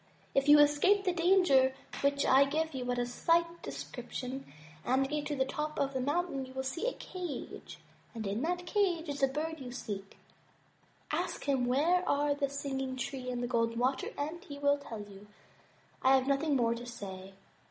If you escape the danger of which I give you but a slight description, and get to the top of the mountain, you will see a cage, and in that cage is the Bird you seek. Ask him where are the Singing Tree and Golden Water and he will tell you. I have nothing more to say."